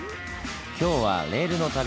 今日はレールの旅。